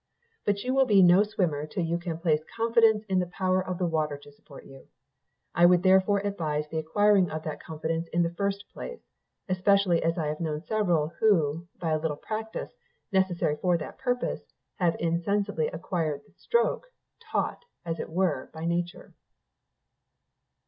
But you will be no swimmer till you can place confidence in the power of the water to support you; I would, therefore, advise the acquiring that confidence in the first place; especially as I have known several who, by a little practice, necessary for that purpose, have insensibly acquired the stroke, taught, as it were, by nature.